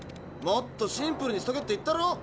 もっとシンプルにしとけって言ったろ。